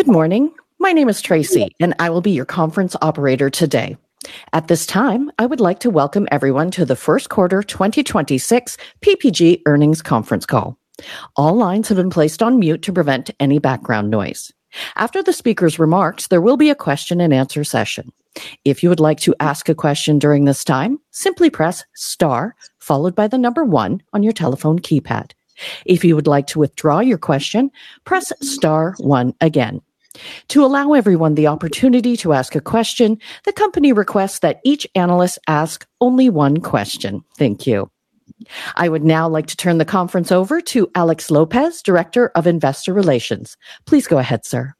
Good morning. My name is Tracy, and I will be your conference operator today. At this time, I would like to welcome everyone to the first quarter 2026 PPG earnings conference call. All lines have been placed on mute to prevent any background noise. After the speaker's remarks, there will be a question-and-answer session. If you would like to ask a question during this time, simply press star followed by the number one on your telephone keypad. If you would like to withdraw your question, press star one again. To allow everyone the opportunity to ask a question, the company requests that each analyst ask only one question. Thank you. I would now like to turn the conference over to Alex Lopez, Director of Investor Relations. Please go ahead, sir.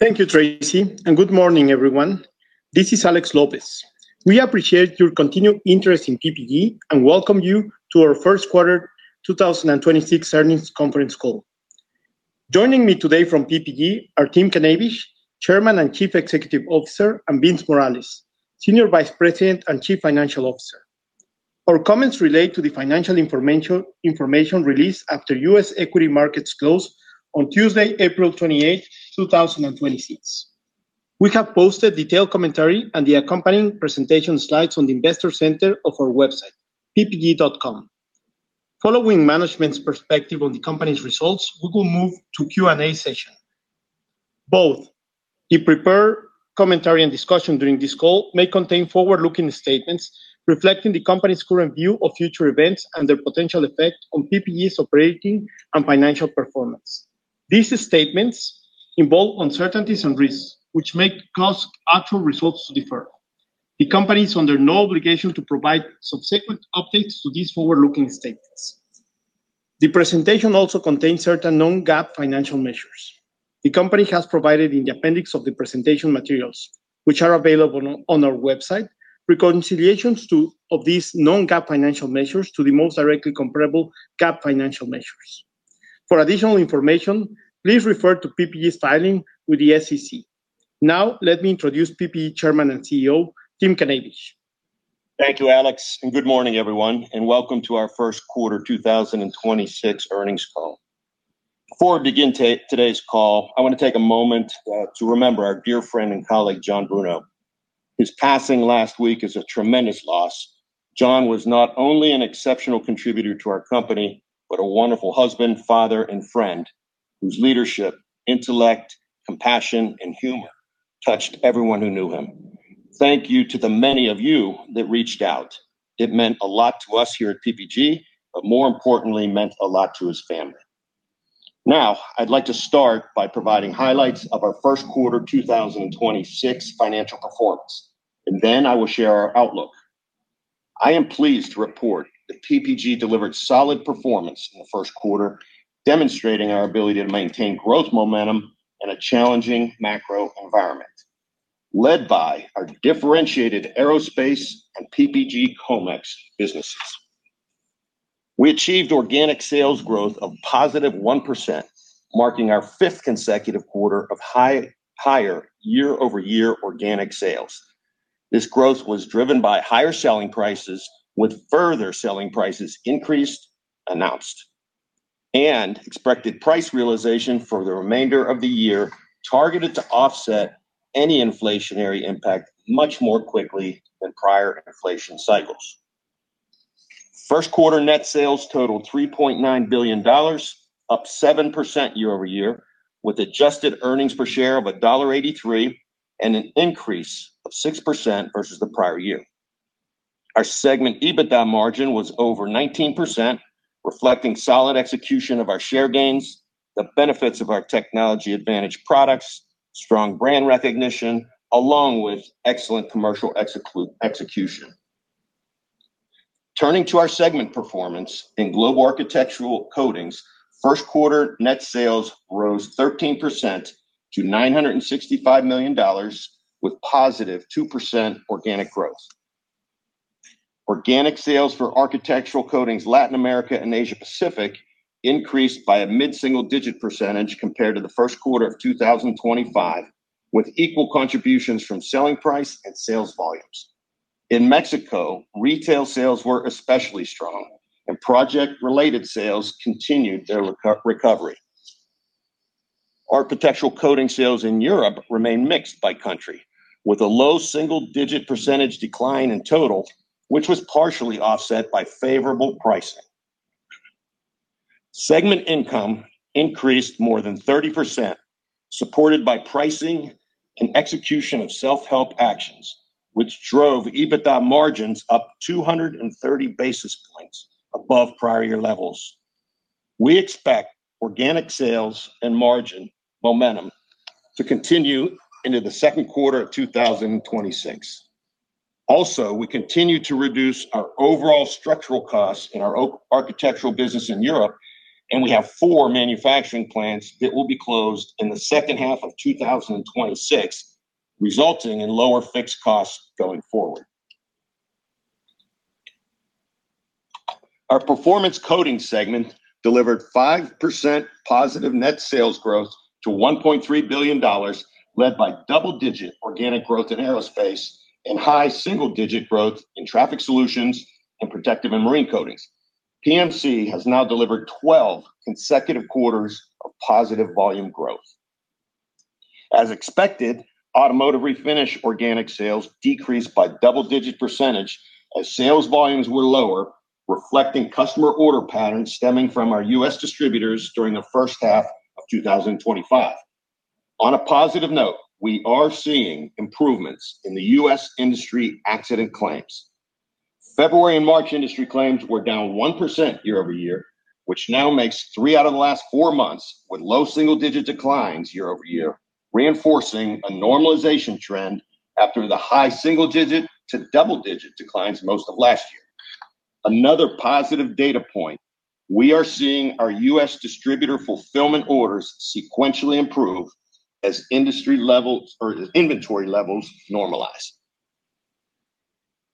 Thank you, Tracy, and good morning, everyone. This is Alex Lopez. We appreciate your continued interest in PPG and welcome you to our first quarter 2026 earnings conference call. Joining me today from PPG are Tim Knavish, Chairman and Chief Executive Officer, and Vince Morales, Senior Vice President and Chief Financial Officer. Our comments relate to the financial information released after U.S. equity markets close on Tuesday, April 28, 2026. We have posted detailed commentary and the accompanying presentation slides on the investor center of our website, ppg.com. Following management's perspective on the company's results, we will move to Q&A session. Both the prepared commentary and discussion during this call may contain forward-looking statements reflecting the company's current view of future events and their potential effect on PPG's operating and financial performance. These statements involve uncertainties and risks which may cause actual results to differ. The company is under no obligation to provide subsequent updates to these forward-looking statements. The presentation also contains certain non-GAAP financial measures. The company has provided in the appendix of the presentation materials, which are available on our website, reconciliations of these non-GAAP financial measures to the most directly comparable GAAP financial measures. For additional information, please refer to PPG's filing with the SEC. Let me introduce PPG Chairman and CEO, Tim Knavish. Thank you, Alex, good morning, everyone, and welcome to our first quarter 2026 earnings call. Before I begin today's call, I wanna take a moment to remember our dear friend and colleague, John Bruno. His passing last week is a tremendous loss. John was not only an exceptional contributor to our company, but a wonderful husband, father, and friend whose leadership, intellect, compassion, and humor touched everyone who knew him. Thank you to the many of you that reached out. It meant a lot to us here at PPG, but more importantly, meant a lot to his family. Now, I'd like to start by providing highlights of our first quarter 2026 financial performance, and then I will share our outlook. I am pleased to report that PPG delivered solid performance in the first quarter, demonstrating our ability to maintain growth momentum in a challenging macro environment, led by our differentiated aerospace and PPG Comex businesses. We achieved organic sales growth of +1%, marking our fifth consecutive quarter of higher year-over-year organic sales. This growth was driven by higher selling prices with further selling prices increased announced, and expected price realization for the remainder of the year targeted to offset any inflationary impact much more quickly than prior inflation cycles. First quarter net sales totaled $3.9 billion, up 7% year-over-year, with adjusted earnings per share of $1.83 and an increase of 6% versus the prior year. Our segment EBITDA margin was over 19%, reflecting solid execution of our share gains, the benefits of our technology advantage products, strong brand recognition, along with excellent commercial execution. Turning to our segment performance in Global Architectural Coatings, first quarter net sales rose 13% to $965 million with +2% organic growth. Organic sales for Architectural Coatings Latin America and Asia Pacific increased by a mid-single-digit percentage compared to the first quarter of 2025, with equal contributions from selling price and sales volumes. In Mexico, retail sales were especially strong, and project related sales continued their recovery. Architectural Coatings sales in Europe remain mixed by country, with a low single-digit percentage decline in total, which was partially offset by favorable pricing. Segment income increased more than 30%, supported by pricing and execution of self-help actions, which drove EBITDA margins up 230 basis points above prior year levels. We expect organic sales and margin momentum to continue into the second quarter of 2026. We continue to reduce our overall structural costs in our architectural business in Europe, and we have four manufacturing plants that will be closed in the second half of 2026, resulting in lower fixed costs going forward. Our Performance Coatings segment delivered 5% positive net sales growth to $1.3 billion, led by double-digit organic growth in Aerospace and high single-digit growth in Traffic Solutions and Protective and Marine Coatings. PMC has now delivered 12 consecutive quarters of positive volume growth. As expected, Automotive Refinish organic sales decreased by double-digit percentage as sales volumes were lower, reflecting customer order patterns stemming from our U.S. distributors during the first half of 2025. On a positive note, we are seeing improvements in the U.S. industry accident claims. February and March industry claims were down 1% year-over-year, which now makes three out of the last four months with low single-digit declines year-over-year, reinforcing a normalization trend after the high single-digit to double-digit declines most of last year. Another positive data point, we are seeing our U.S. distributor fulfillment orders sequentially improve as industry levels or inventory levels normalize.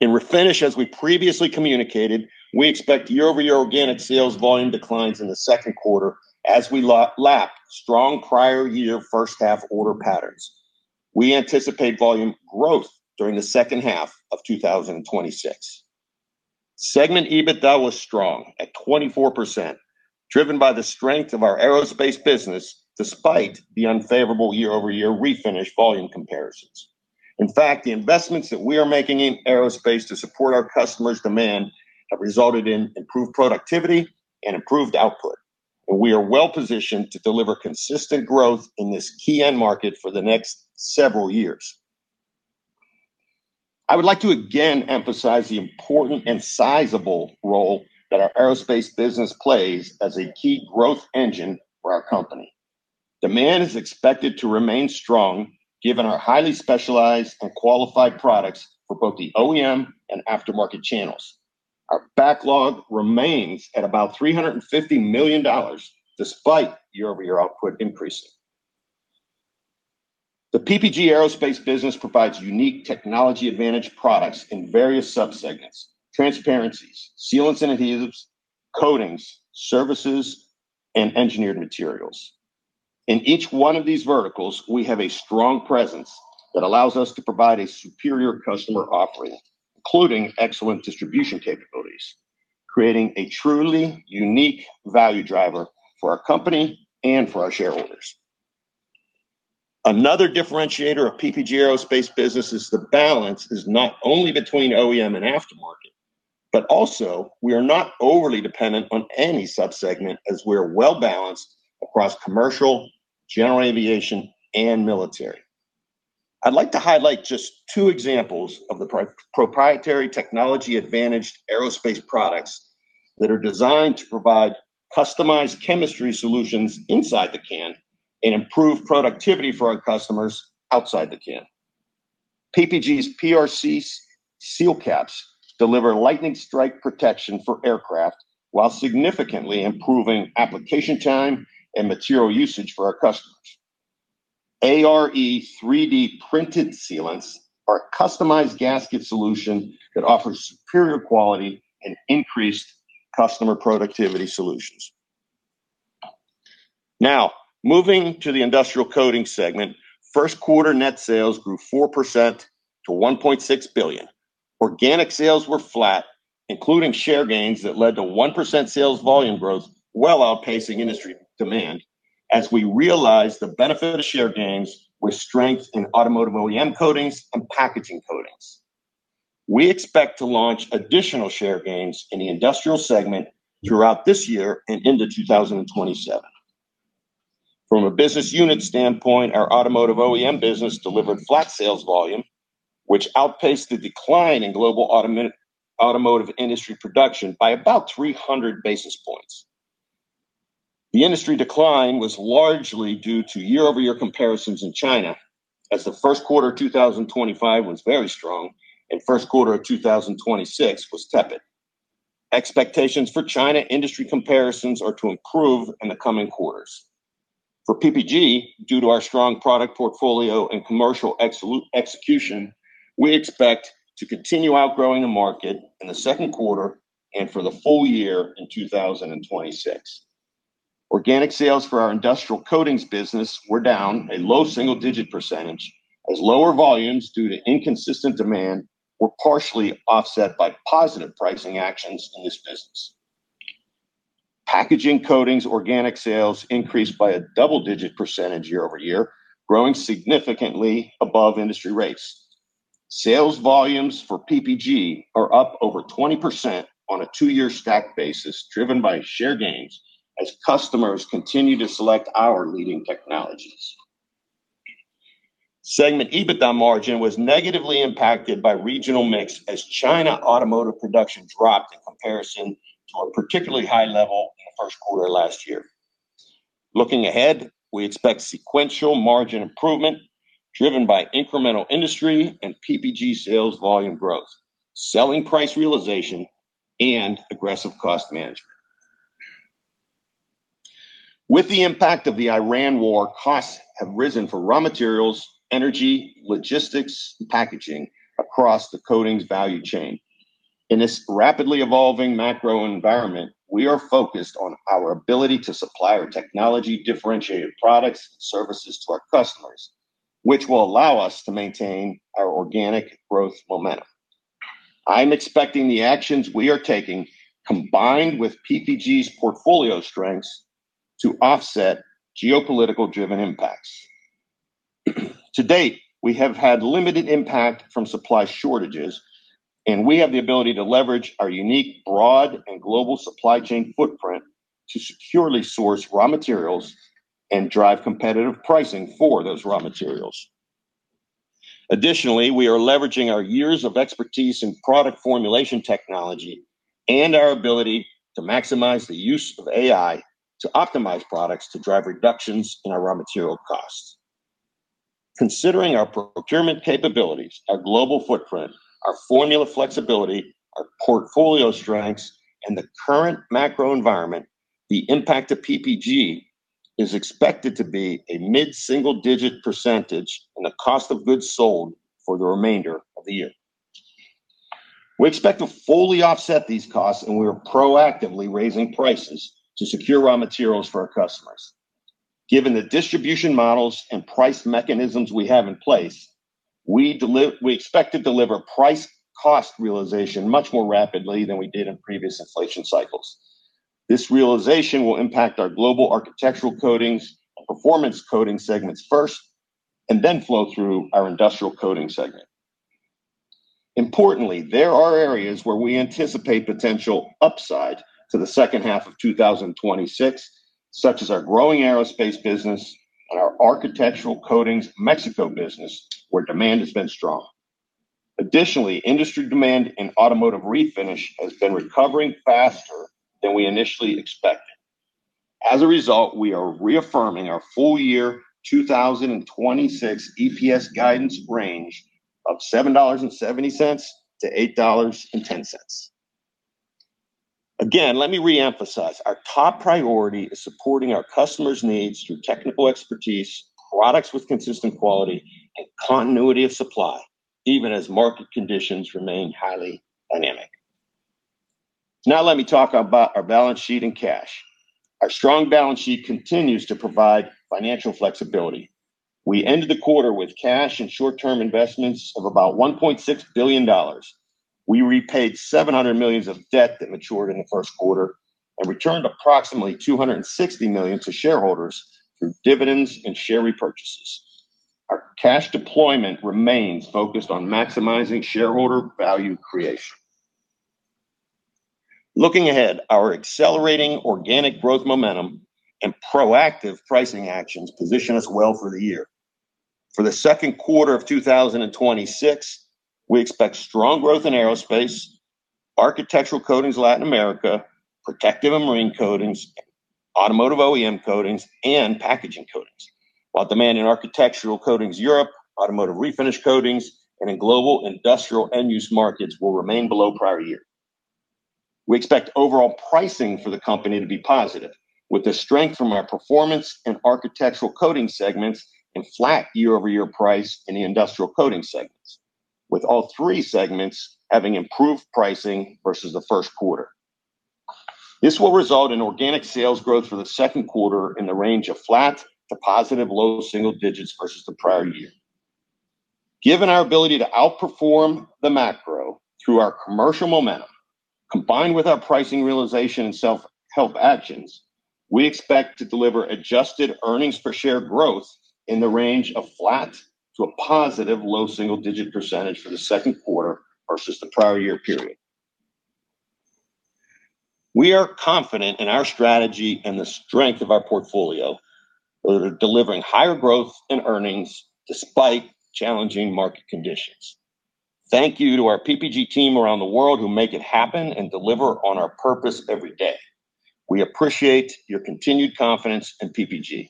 In Refinish, as we previously communicated, we expect year-over-year organic sales volume declines in the second quarter as we lap strong prior year first half order patterns. We anticipate volume growth during the second half of 2026. Segment EBITDA was strong at 24%, driven by the strength of our Aerospace business despite the unfavorable year-over-year Refinish volume comparisons. The investments that we are making in Aerospace to support our customers' demand have resulted in improved productivity and improved output. We are well-positioned to deliver consistent growth in this key end market for the next several years. I would like to again emphasize the important and sizable role that our Aerospace business plays as a key growth engine for our company. Demand is expected to remain strong given our highly specialized and qualified products for both the OEM and aftermarket channels. Our backlog remains at about $350 million despite year-over-year output increasing. The PPG Aerospace business provides unique technology advantage products in various subsegments: transparencies, sealants and adhesives, coatings, services, and engineered materials. In each one of these verticals, we have a strong presence that allows us to provide a superior customer offering, including excellent distribution capabilities, creating a truly unique value driver for our company and for our shareholders. Another differentiator of PPG Aerospace business is the balance is not only between OEM and aftermarket, but also we are not overly dependent on any subsegment as we're well-balanced across commercial, general aviation, and military. I'd like to highlight just two examples of the proprietary technology advantaged Aerospace products that are designed to provide customized chemistry solutions inside the can and improve productivity for our customers outside the can. PPG's PRC Seal Caps deliver lightning strike protection for aircraft while significantly improving application time and material usage for our customers. ARE 3D Printed Sealants are a customized gasket solution that offers superior quality and increased customer productivity solutions. Moving to the Industrial Coatings segment, first quarter net sales grew 4% to $1.6 billion. Organic sales were flat, including share gains that led to 1% sales volume growth, well outpacing industry demand, as we realized the benefit of share gains with strength in Automotive OEM Coatings and Packaging Coatings. We expect to launch additional share gains in the Industrial segment throughout this year and into 2027. From a business unit standpoint, our Automotive OEM business delivered flat sales volume, which outpaced the decline in global automotive industry production by about 300 basis points. The industry decline was largely due to year-over-year comparisons in China, as the first quarter 2025 was very strong and first quarter of 2026 was tepid. Expectations for China industry comparisons are to improve in the coming quarters. For PPG, due to our strong product portfolio and commercial execution, we expect to continue outgrowing the market in the second quarter and for the full year in 2026. Organic sales for our Industrial Coatings business were down a low single-digit percentage as lower volumes due to inconsistent demand were partially offset by positive pricing actions in this business. Packaging Coatings organic sales increased by a double-digit percentage year-over-year, growing significantly above industry rates. Sales volumes for PPG are up over 20% on a two-year stack basis, driven by share gains as customers continue to select our leading technologies. Segment EBITDA margin was negatively impacted by regional mix as China automotive production dropped in comparison to a particularly high level in the first quarter last year. Looking ahead, we expect sequential margin improvement driven by incremental industry and PPG sales volume growth, selling price realization, and aggressive cost management. With the impact of the Iran war, costs have risen for raw materials, energy, logistics, and packaging across the coatings value chain. In this rapidly evolving macro environment, we are focused on our ability to supply our technology differentiated products and services to our customers which will allow us to maintain our organic growth momentum. I am expecting the actions we are taking, combined with PPG's portfolio strengths, to offset geopolitical driven impacts. To date, we have had limited impact from supply shortages, and we have the ability to leverage our unique, broad, and global supply chain footprint to securely source raw materials and drive competitive pricing for those raw materials. Additionally, we are leveraging our years of expertise in product formulation technology and our ability to maximize the use of AI to optimize products to drive reductions in our raw material costs. Considering our procurement capabilities, our global footprint, our formula flexibility, our portfolio strengths, and the current macro environment, the impact of PPG is expected to be a mid-single digit percentage on the cost of goods sold for the remainder of the year. We expect to fully offset these costs, and we are proactively raising prices to secure raw materials for our customers. Given the distribution models and price mechanisms we have in place, we expect to deliver price cost realization much more rapidly than we did in previous inflation cycles. This realization will impact our Global Architectural Coatings and Performance Coatings segments first, and then flow through our Industrial Coatings segment. Importantly, there are areas where we anticipate potential upside to the second half of 2026, such as our growing Aerospace business and our Architectural Coatings Mexico business, where demand has been strong. Additionally, industry demand in Automotive Refinish has been recovering faster than we initially expected. We are reaffirming our full year 2026 EPS guidance range of $7.70-$8.10. Again, let me reemphasize, our top priority is supporting our customers' needs through technical expertise, products with consistent quality, and continuity of supply, even as market conditions remain highly dynamic. Let me talk about our balance sheet and cash. Our strong balance sheet continues to provide financial flexibility. We ended the quarter with cash and short-term investments of about $1.6 billion. We repaid $700 million of debt that matured in the first quarter and returned approximately $260 million to shareholders through dividends and share repurchases. Our cash deployment remains focused on maximizing shareholder value creation. Looking ahead, our accelerating organic growth momentum and proactive pricing actions position us well for the year. For the second quarter of 2026, we expect strong growth in Aerospace, Architectural Coatings Latin America, Protective and Marine Coatings, Automotive OEM Coatings, and Packaging Coatings, while demand in Architectural Coatings Europe, Automotive Refinish Coatings, and in global industrial end-use markets will remain below prior year. We expect overall pricing for the company to be positive, with the strength from our performance and Architectural Coatings segments and flat year-over-year price in the Industrial Coatings segments, with all three segments having improved pricing versus the first quarter. This will result in organic sales growth for the second quarter in the range of flat to positive low single digits versus the prior year. Given our ability to outperform the macro through our commercial momentum, combined with our pricing realization and self-help actions, we expect to deliver adjusted earnings per share growth in the range of flat to a positive low single-digit percentage for the second quarter versus the prior year period. We are confident in our strategy and the strength of our portfolio delivering higher growth and earnings despite challenging market conditions. Thank you to our PPG team around the world who make it happen and deliver on our purpose every day. We appreciate your continued confidence in PPG.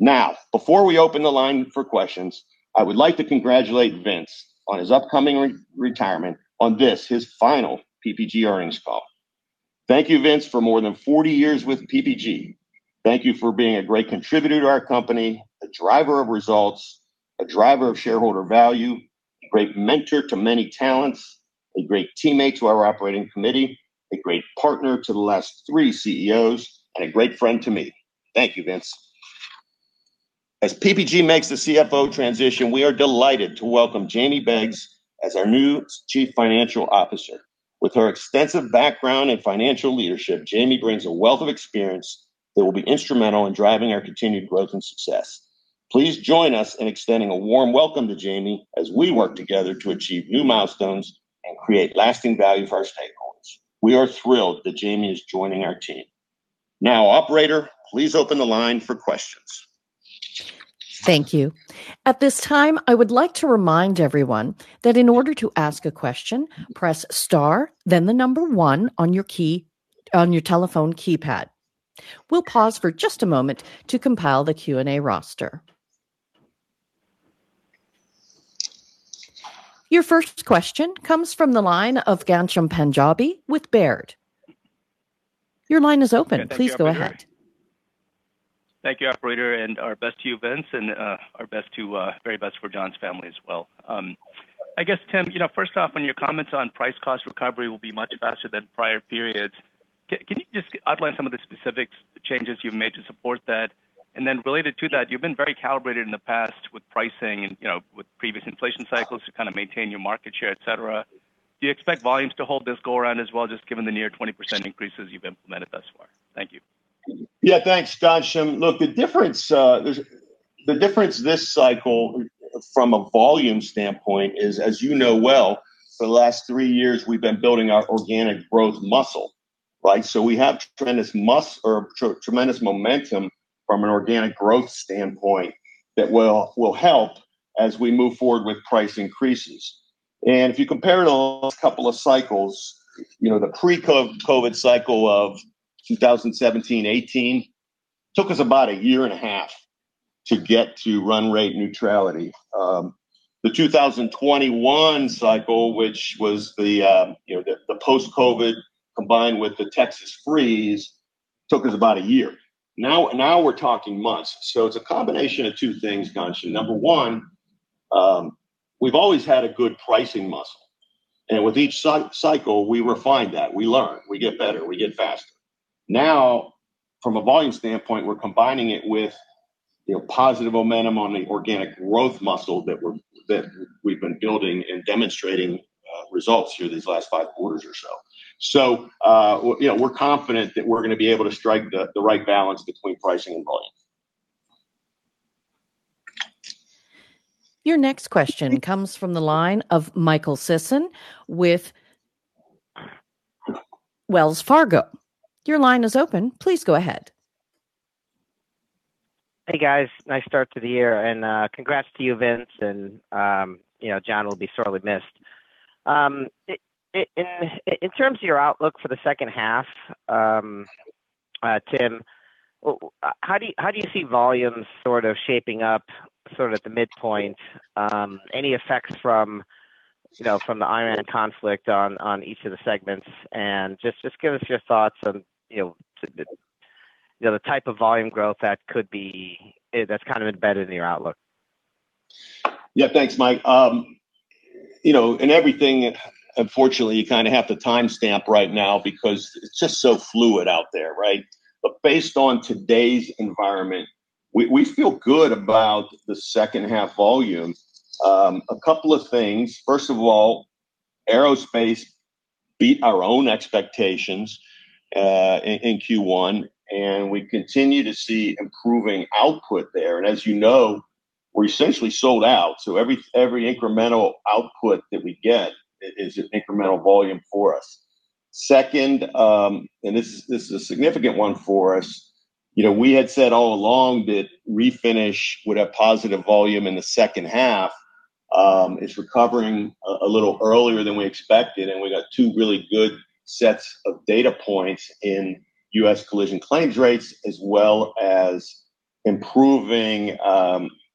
Now, before we open the line for questions, I would like to congratulate Vince on his upcoming re-retirement on this, his final PPG earnings call. Thank you, Vince, for more than 40 years with PPG. Thank you for being a great contributor to our company, a driver of results, a driver of shareholder value, a great mentor to many talents, a great teammate to our operating committee, a great partner to the last three CEOs, and a great friend to me. Thank you, Vince. As PPG makes the CFO transition, we are delighted to welcome Jamie Beggs as our new Chief Financial Officer. With her extensive background in financial leadership, Jamie brings a wealth of experience that will be instrumental in driving our continued growth and success. Please join us in extending a warm welcome to Jamie as we work together to achieve new milestones and create lasting value for our stakeholders. We are thrilled that Jamie is joining our team. Operator, please open the line for questions. Thank you. At this time, I would like to remind everyone that in order to ask a question, press star, then the number one on your telephone keypad. We'll pause for just a moment to compile the Q&A roster. Your first question comes from the line of Ghansham Panjabi with Baird. Your line is open. Please go ahead. Thank you, Operator. Our best to you, Vince, and our best to very best for John's family as well. I guess, Tim, you know, first off, on your comments on price cost recovery will be much faster than prior periods. Can you just outline some of the specific changes you've made to support that? Related to that, you've been very calibrated in the past with pricing and, you know, with previous inflation cycles to kind of maintain your market share, et cetera. Do you expect volumes to hold this go around as well, just given the near 20% increases you've implemented thus far? Thank you. Yeah, thanks, Ghansham. Look, the difference this cycle from a volume standpoint is, as you know well, for the last three years we've been building our organic growth muscle, right? We have tremendous tremendous momentum from an organic growth standpoint that will help as we move forward with price increases. If you compare the last couple of cycles, you know, the pre-COVID cycle of 2017, 2018 took us about a year and a half to get to run rate neutrality. The 2021 cycle, which was the, you know, the post-COVID combined with the Texas freeze took us about a year. Now we're talking months. It's a combination of two things, Ghansham. Number one, we've always had a good pricing muscle, with each cycle we refine that. We learn, we get better, we get faster. From a volume standpoint, we're combining it with, you know, positive momentum on the organic growth muscle that we're, that we've been building and demonstrating results through these last five quarters or so. You know, we're confident that we're gonna be able to strike the right balance between pricing and volume. Your next question comes from the line of Michael Sison with Wells Fargo. Your line is open. Please go ahead. Hey, guys. Nice start to the year and congrats to you, Vince, and you know, John will be sorely missed. In terms of your outlook for the second half, Tim, how do you see volumes sort of shaping up sort of at the midpoint? Any effects from, you know, from the Iran conflict on each of the segments? Just give us your thoughts on, you know, the, you know, the type of volume growth that could be that's kind of embedded in your outlook. Thanks, Mike. You know, in everything, unfortunately, you kind of have to timestamp right now because it's just so fluid out there, right? Based on today's environment, we feel good about the second half volume. A couple of things. First of all, Aerospace beat our own expectations in Q1, and we continue to see improving output there. As you know, we're essentially sold out, so every incremental output that we get is an incremental volume for us. Second, this is a significant one for us, you know, we had said all along that Refinish would have positive volume in the second half. It's recovering a little earlier than we expected, and we got two really good sets of data points in U.S. collision claims rates as well as improving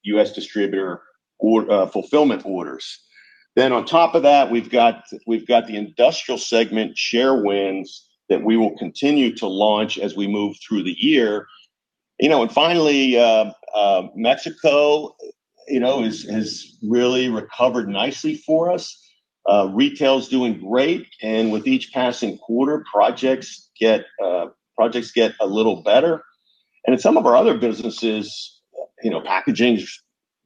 U.S. distributor order fulfillment orders. On top of that, we've got the Industrial segment share wins that we will continue to launch as we move through the year. You know, finally, Mexico, you know, has really recovered nicely for us. Retail's doing great, and with each passing quarter, projects get a little better. In some of our other businesses, you know, Packaging's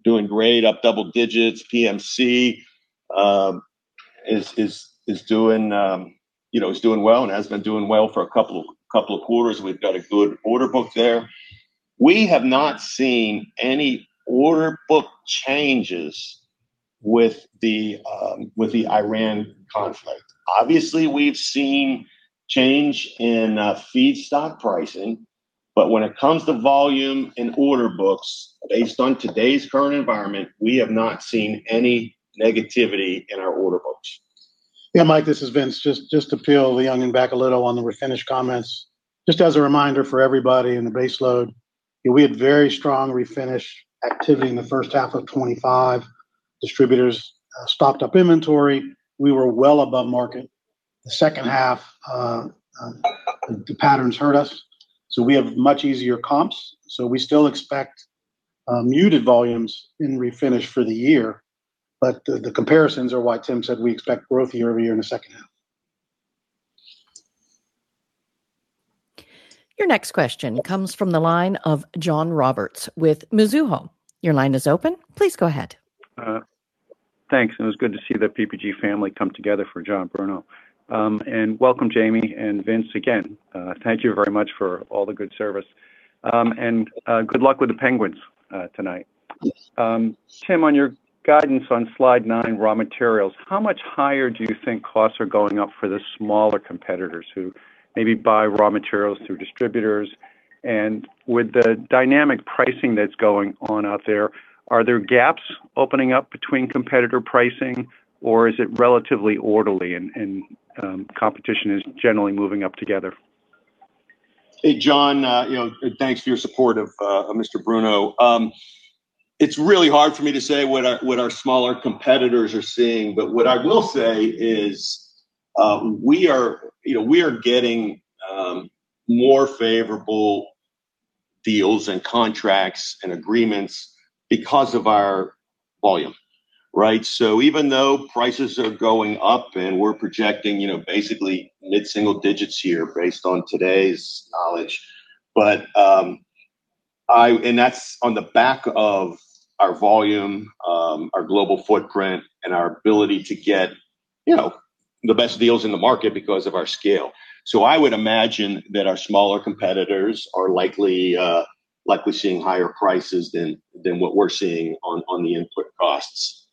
doing great, up double digits. PMC is doing, you know, is doing well and has been doing well for a couple of quarters. We've got a good order book there. We have not seen any order book changes with the Iran conflict. Obviously, we've seen change in feedstock pricing, but when it comes to volume and order books, based on today's current environment, we have not seen any negativity in our order books. Yeah, Mike, this is Vince. Just to peel the onion back a little on the Refinish comments. Just as a reminder for everybody in the base load, we had very strong Refinish activity in the first half of 2025. Distributors stocked up inventory. We were well above market. The second half, the patterns hurt us, so we have much easier comps, so we still expect muted volumes in Refinish for the year. The comparisons are why Tim said we expect growth year-over-year in the second half. Your next question comes from the line of John Roberts with Mizuho. Your line is open. Please go ahead. Thanks. It was good to see the PPG family come together for John Bruno. Welcome, Jamie and Vince again. Thank you very much for all the good service. Good luck with the Penguins tonight. Tim, on your guidance on slide nine, raw materials, how much higher do you think costs are going up for the smaller competitors who maybe buy raw materials through distributors? With the dynamic pricing that's going on out there, are there gaps opening up between competitor pricing or is it relatively orderly and competition is generally moving up together? Hey, John, you know, thanks for your support of Mr. Bruno. It's really hard for me to say what our smaller competitors are seeing. What I will say is, we are, you know, we are getting more favorable deals and contracts and agreements because of our volume, right? Even though prices are going up and we're projecting, you know, basically mid-single digits here based on today's knowledge. That's on the back of our volume, our global footprint, and our ability to get, you know, the best deals in the market because of our scale. I would imagine that our smaller competitors are likely seeing higher prices than what we're seeing on the input costs.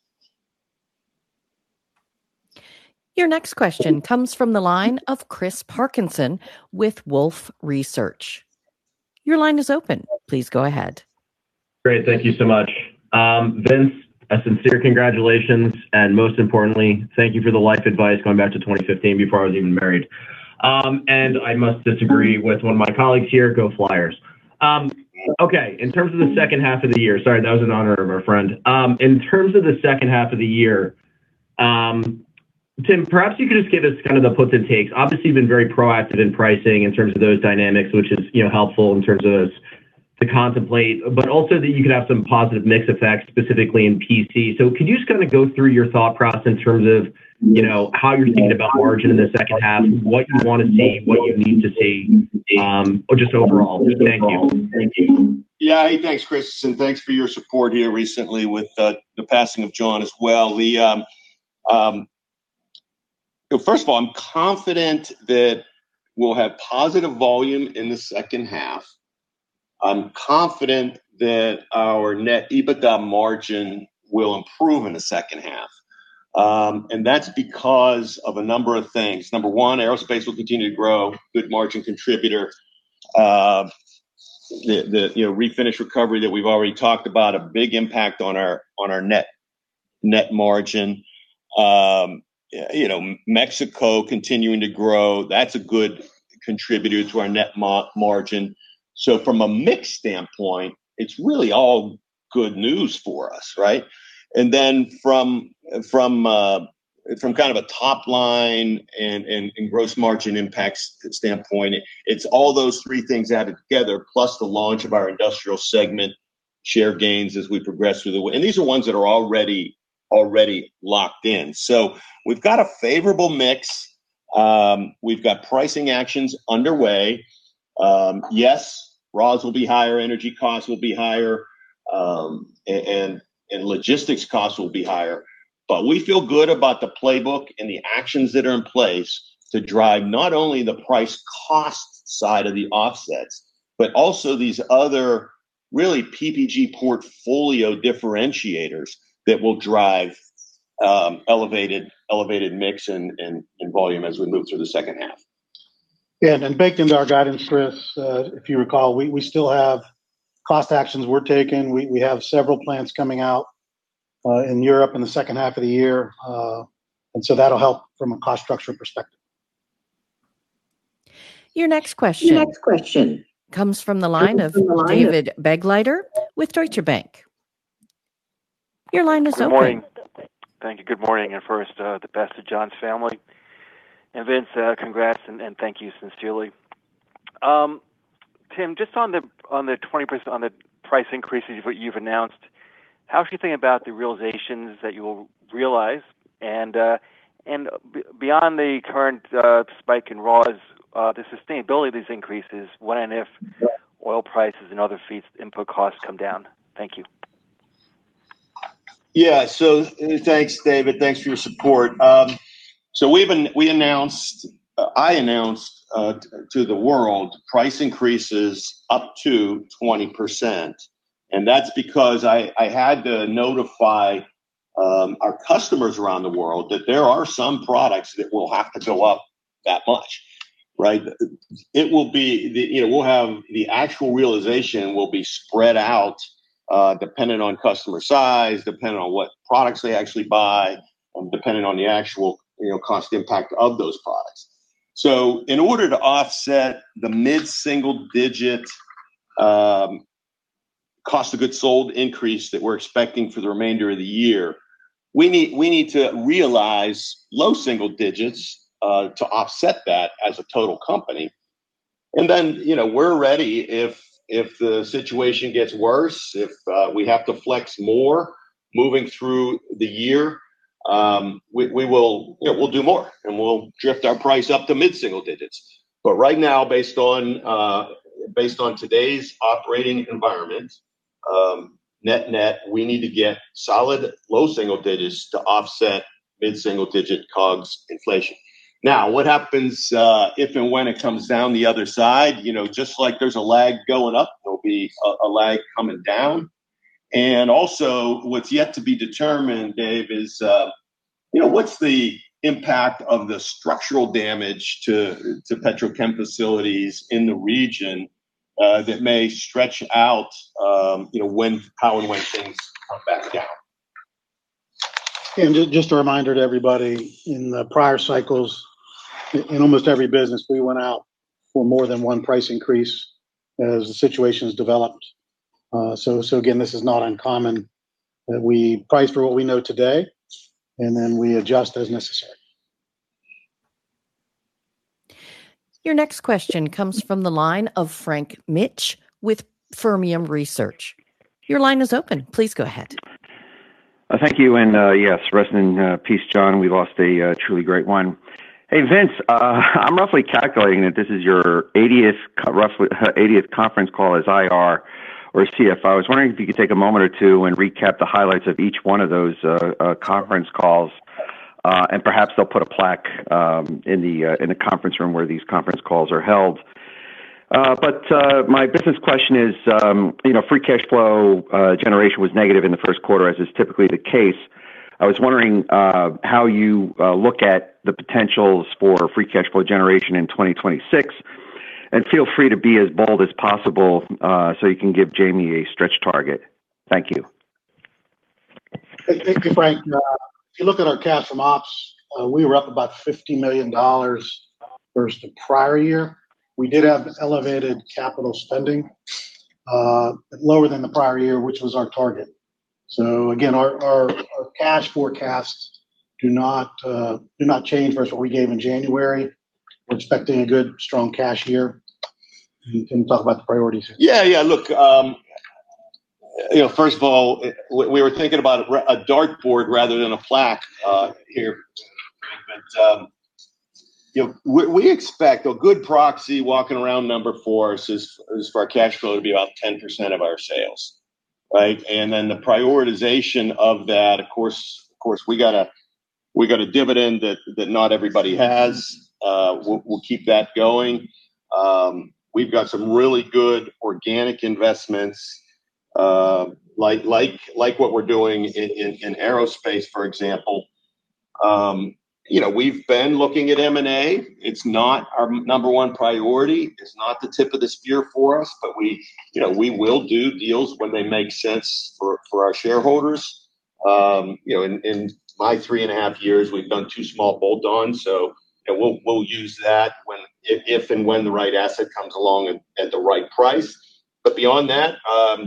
Your next question comes from the line of Chris Parkinson with Wolfe Research. Your line is open. Please go ahead. Great. Thank you so much. Vince, a sincere congratulations, and most importantly, thank you for the life advice going back to 2015 before I was even married. I must disagree with one of my colleagues here, go Flyers. In terms of the second half of the year, sorry, that was in honor of our friend. In terms of the second half of the year, Tim, perhaps you could just give us kind of the puts and takes. Obviously, you've been very proactive in pricing in terms of those dynamics, which is, you know, helpful in terms of us to contemplate, but also that you could have some positive mix effects, specifically in PC. Can you just kind of go through your thought process in terms of, you know, how you're thinking about margin in the second half, what you want to see, what you need to see, or just overall? Thank you. Yeah. Hey, thanks, Chris, and thanks for your support here recently with the passing of John as well. First of all, I'm confident that we'll have positive volume in the second half. I'm confident that our net EBITDA margin will improve in the second half. That's because of a number of things. Number one, Aerospace will continue to grow, good margin contributor. You know, Refinish recovery that we've already talked about, a big impact on our net margin. You know, Mexico continuing to grow, that's a good contributor to our net margin. From a mix standpoint, it's really all good news for us, right? From a kind of a top line and gross margin impacts standpoint, it's all those three things added together, plus the launch of our Industrial segment, share gains. These are ones that are already locked in. We've got a favorable mix. We've got pricing actions underway. Yes, raws will be higher, energy costs will be higher, and logistics costs will be higher. We feel good about the playbook and the actions that are in place to drive not only the price cost side of the offsets, but also these other really PPG portfolio differentiators that will drive elevated mix and volume as we move through the second half. Yeah, baked into our guidance, Chris, if you recall, we still have cost actions we're taking. We have several plants coming out in Europe in the second half of the year. That'll help from a cost structure perspective. Your next question comes from the line of David Begleiter with Deutsche Bank. Your line is open. Good morning. Thank you. Good morning. First, the best to John's family. Vince, congrats and thank you sincerely. Tim, just on the 20%, on the price increases what you've announced, how should we think about the realizations that you will realize, and beyond the current spike in raws, the sustainability of these increases, when and if oil prices and other fees, input costs come down? Thank you. Thanks, David. Thanks for your support. We announced, I announced to the world price increases up to 20%, and that's because I had to notify our customers around the world that there are some products that will have to go up that much, right? The actual realization will be spread out, dependent on customer size, dependent on what products they actually buy, dependent on the actual cost impact of those products. In order to offset the mid-single digit cost of goods sold increase that we're expecting for the remainder of the year, we need to realize low single digits to offset that as a total company. Then, you know, we're ready if the situation gets worse, if we have to flex more moving through the year, we will, you know, we'll do more, and we'll drift our price up to mid-single digits. Right now, based on, based on today's operating environment, net-net, we need to get solid low single digits to offset mid-single digit COGS inflation. What happens if and when it comes down the other side? You know, just like there's a lag going up, there'll be a lag coming down. Also, what's yet to be determined, Dave, is, you know, what's the impact of the structural damage to petrochem facilities in the region, that may stretch out, you know, when, how and when things come back down. Just a reminder to everybody, in the prior cycles, in almost every business, we went out for more than one price increase as the situations developed. Again, this is not uncommon, that we price for what we know today, and then we adjust as necessary. Your next question comes from the line of Frank Mitsch with Fermium Research. Your line is open. Please go ahead. Thank you. Yes, rest in peace, John. We lost a truly great one. Hey, Vince, I'm roughly calculating that this is your 80th roughly 80th conference call as IR or CFO. I was wondering if you could take a moment or two and recap the highlights of each one of those conference calls. Perhaps they'll put a plaque in the conference room where these conference calls are held. My business question is, you know, free cash flow generation was negative in the first quarter, as is typically the case. I was wondering how you look at the potentials for free cash flow generation in 2026. Feel free to be as bold as possible so you can give Jamie a stretch target. Thank you. Thank you, Frank. If you look at our cash from ops, we were up about $50 million versus the prior year. We did have elevated capital spending, lower than the prior year, which was our target. Again, our cash forecasts do not change versus what we gave in January. We're expecting a good, strong cash year. You can talk about the priorities. Yeah. Yeah. Look, you know, first of all, we were thinking about a dartboard rather than a plaque here, Frank. You know, we expect a good proxy walking around number for us is for our cash flow to be about 10% of our sales, right? The prioritization of that, of course, we got a dividend that not everybody has. We'll keep that going. We've got some really good organic investments, like what we're doing in Aerospace, for example. You know, we've been looking at M&A. It's not our number one priority. It's not the tip of the spear for us. We, you know, we will do deals when they make sense for our shareholders. You know, in my 3.5 years, we've done two small bolt-ons. We'll use that when and if the right asset comes along at the right price. Beyond that, I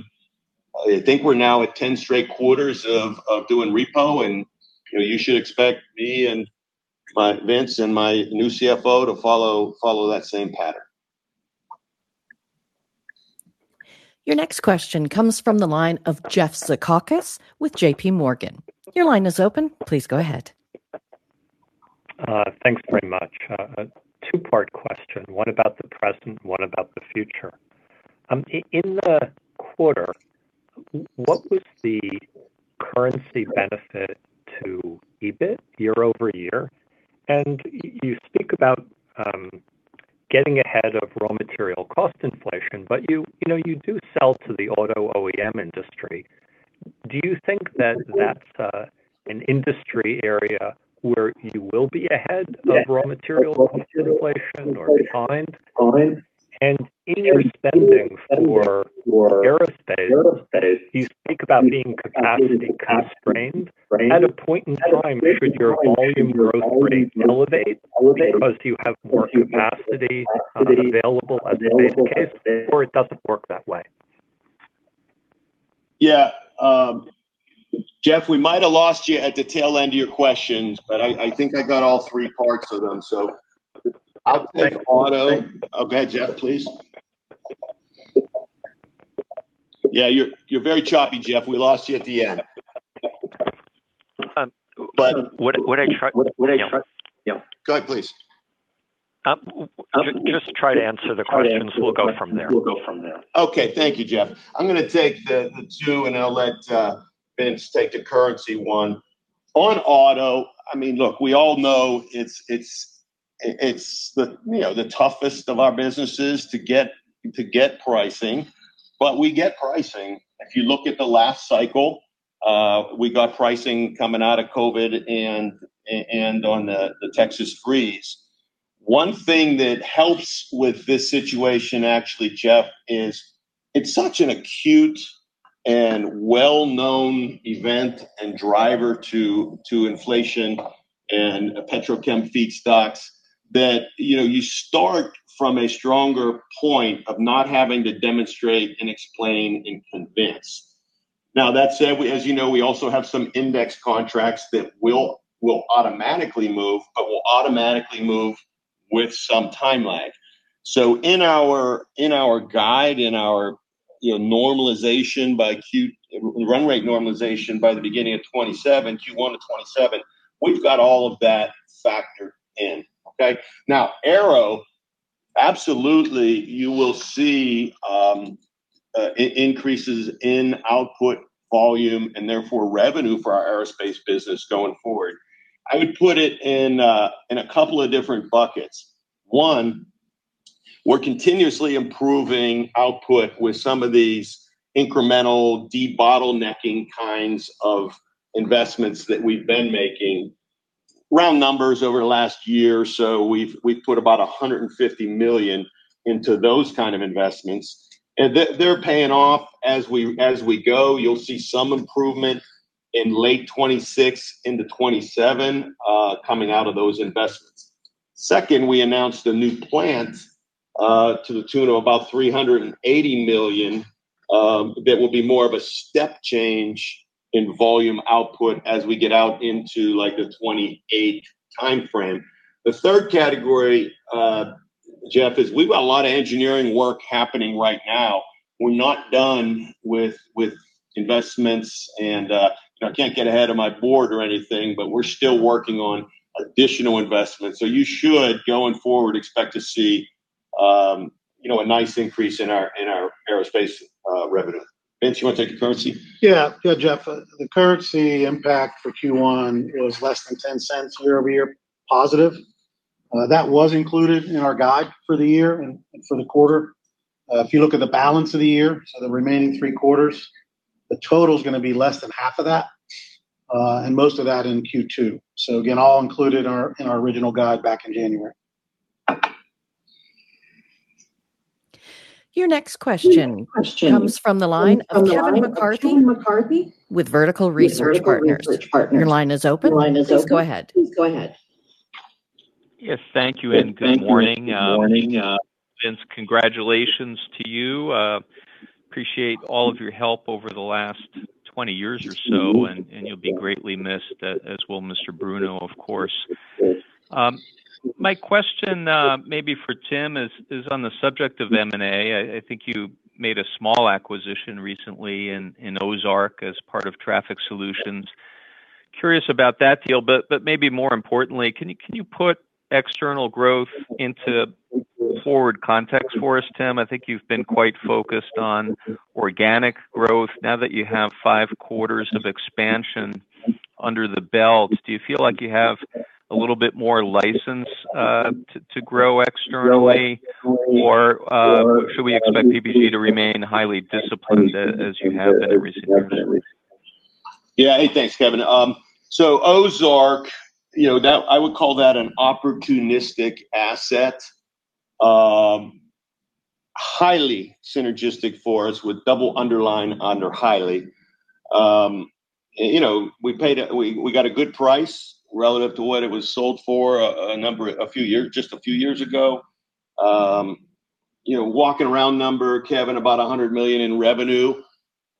think we're now at 10 straight quarters of doing repo. You know, you should expect me and Vince and my new CFO to follow that same pattern. Your next question comes from the line of Jeff Zekauskas with JPMorgan. Your line is open. Please go ahead. Thanks very much. A two-part question. One about the present, one about the future. In the quarter, what was the currency benefit to EBIT year-over-year? You speak about getting ahead of raw material cost inflation, but you know, you do sell to the Auto OEM industry. Do you think that that's an industry area where you will be ahead of raw material cost inflation or behind? In your spending for Aerospace, you speak about being capacity constrained. At a point in time, should your volume growth rate elevate because you have more capacity available as a base case, or it doesn't work that way? Yeah. Jeff, we might have lost you at the tail end of your question, but I think I got all three parts of them. I'll take Auto. Oh, go ahead, Jeff, please. Yeah, you're very choppy, Jeff. We lost you at the end. What I try- Yeah. Go ahead, please. Just try to answer the questions. We'll go from there. Okay. Thank you, Jeff. I'm gonna take the two, and I'll let Vince take the currency one. On Auto, I mean, look, we all know it's the, you know, the toughest of our businesses to get pricing. We get pricing. If you look at the last cycle, we got pricing coming out of COVID and on the Texas freeze. One thing that helps with this situation actually, Jeff, is it's such an acute and well-known event and driver to inflation and petrochem feedstocks that, you know, you start from a stronger point of not having to demonstrate and explain and convince. That said, as you know, we also have some index contracts that will automatically move, but will automatically move with some time lag. In our guide, in our, you know, normalization by Q1 run rate normalization by the beginning of 2027, Q1 of 2027, we've got all of that factored in. Okay. Aero, absolutely you will see increases in output volume, and therefore revenue for our Aerospace business going forward. I would put it in a couple of different buckets. One, we're continuously improving output with some of these incremental debottlenecking kinds of investments that we've been making. Round numbers over the last year or so, we've put about $150 million into those kind of investments. They're paying off as we go. You'll see some improvement in late 2026 into 2027, coming out of those investments. Second, we announced a new plant. To the tune of about $380 million that will be more of a step change in volume output as we get out into like the 2028 timeframe. The third category, Jeff, is we've got a lot of engineering work happening right now. We're not done with investments and, you know, I can't get ahead of my board or anything, but we're still working on additional investments. You should, going forward, expect to see, you know, a nice increase in our Aerospace revenue. Vince, you wanna take the currency? Yeah. Yeah, Jeff, the currency impact for Q1 was less than $0.10 year-over-year positive. That was included in our guide for the year and for the quarter. If you look at the balance of the year, so the remaining three quarters, the total's gonna be less than half of that, and most of that in Q2. Again, all included in our original guide back in January. Your next question comes from the line of Kevin McCarthy with Vertical Research Partners. Your line is open. Please go ahead. Yes, thank you, and good morning. Vince, congratulations to you. Appreciate all of your help over the last 20 years or so, and you'll be greatly missed, as will Mr. Bruno, of course. My question, maybe for Tim, is on the subject of M&A. I think you made a small acquisition recently in Ozark as part of Traffic Solutions. Curious about that deal, but maybe more importantly, can you put external growth into forward context for us, Tim? I think you've been quite focused on organic growth. Now that you have five quarters of expansion under the belt, do you feel like you have a little bit more license to grow externally? Or, should we expect PPG to remain highly disciplined as you have been every single quarter? Hey, thanks, Kevin. Ozark, you know, I would call that an opportunistic asset. Highly synergistic for us with double underline under highly. You know, we got a good price relative to what it was sold for a number a few years, just a few years ago. You know, walking around number, Kevin, about $100 million in revenue.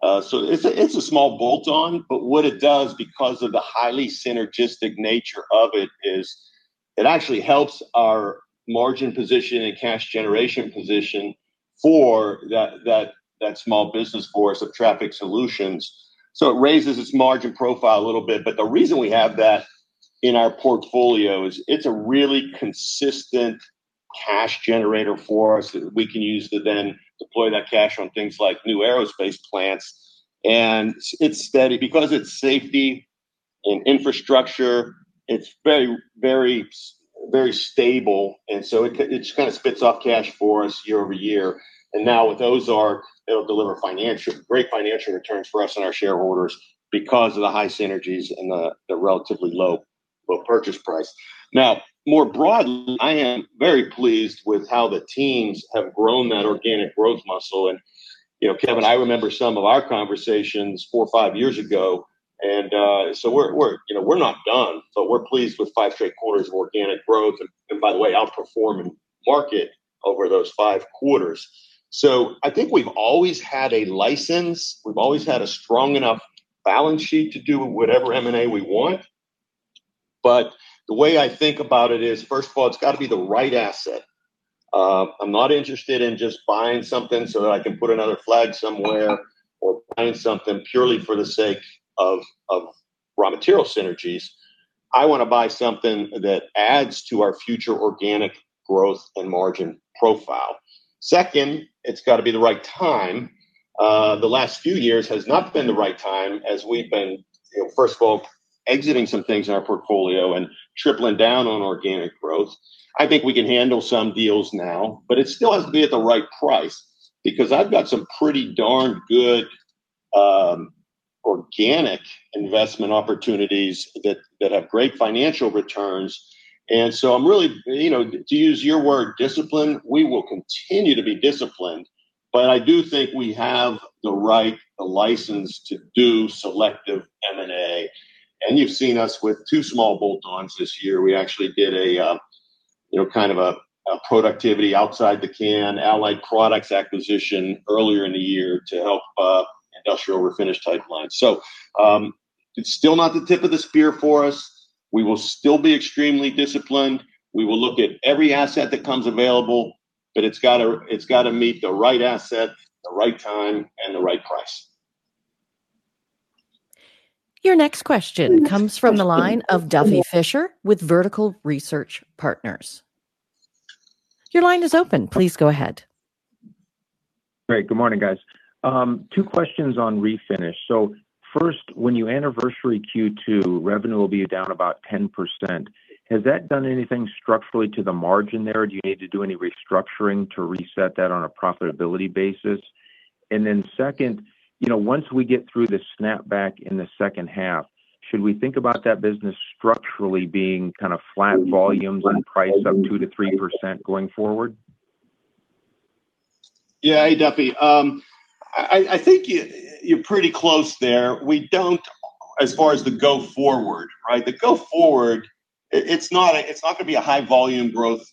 It's a small bolt-on, what it does because of the highly synergistic nature of it is it actually helps our margin position and cash generation position for that small business for us of Traffic Solutions. It raises its margin profile a little bit. The reason we have that in our portfolio is it's a really consistent cash generator for us that we can use to then deploy that cash on things like new Aerospace plants. It's steady. Because it's safety and infrastructure, it's very stable, it just kind of spits off cash for us year-over-year. Now with Ozark, it'll deliver great financial returns for us and our shareholders because of the high synergies and the relatively low purchase price. Now, more broadly, I am very pleased with how the teams have grown that organic growth muscle. You know, Kevin, I remember some of our conversations four or five years ago and, so we're, you know, we're not done, but we're pleased with five straight quarters of organic growth and, by the way, outperforming market over those five quarters. I think we've always had a license. We've always had a strong enough balance sheet to do whatever M&A we want. The way I think about it is, first of all, it's got to be the right asset. I'm not interested in just buying something so that I can put another flag somewhere or buying something purely for the sake of raw material synergies. I want to buy something that adds to our future organic growth and margin profile. Second, it's got to be the right time. The last few years has not been the right time as we've been, you know, first of all, exiting some things in our portfolio and tripling down on organic growth. I think we can handle some deals now, but it still has to be at the right price because I've got some pretty darn good organic investment opportunities that have great financial returns. I'm really, you know, to use your word, disciplined. We will continue to be disciplined, but I do think we have the right license to do selective M&A. You've seen us with two small bolt-ons this year. We actually did a, you know, kind of a productivity outside the can allied products acquisition earlier in the year to help industrial refinish type lines. It's still not the tip of the spear for us. We will still be extremely disciplined. We will look at every asset that comes available. It's gotta meet the right asset, the right time, and the right price. Your next question comes from the line of Duffy Fischer with Vertical Research Partners. Your line is open. Please go ahead. Great. Good morning, guys. Two questions on Refinish. First, when you anniversary Q2, revenue will be down about 10%. Has that done anything structurally to the margin there? Do you need to do any restructuring to reset that on a profitability basis? Second, you know, once we get through the snapback in the second half, should we think about that business structurally being kind of flat volumes and price up 2%-3% going forward? Yeah. Hey, Duffy. I think you're pretty close there. We don't as far as the go forward, right? The go forward, it's not a, it's not gonna be a high volume growth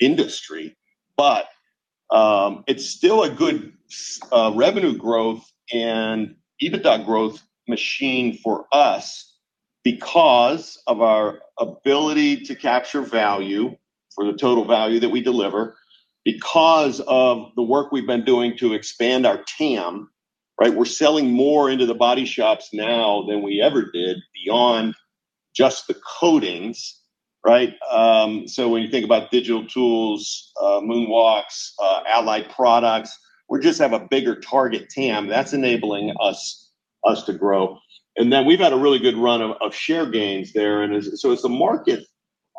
industry. It's still a good revenue growth and EBITDA growth machine for us because of our ability to capture value for the total value that we deliver because of the work we've been doing to expand our TAM, right? We're selling more into the body shops now than we ever did beyond just the coatings, right? When you think about digital tools, MoonWalk, allied products, we just have a bigger target TAM that's enabling us to grow. We've had a really good run of share gains there. As the market